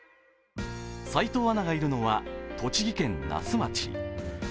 齋藤アナがいるのは栃木県那須町。